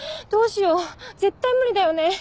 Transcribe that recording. どうしよう絶対無理だよね